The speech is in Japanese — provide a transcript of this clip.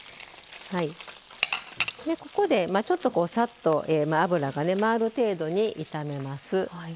ここで、ちょっとさっと油が回る程度に炒めます。